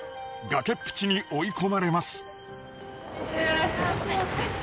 崖っぷちに追い込まれます。